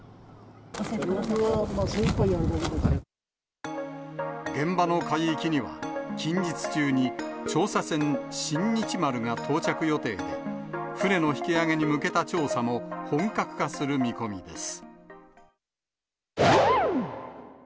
状況は、精いっぱいやるだけ現場の海域には、近日中に調査船新日丸が到着予定で、船の引き揚げに向けた調査も本格化する見込みです。